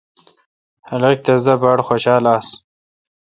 خلق تس دا باڑ خوشال آس۔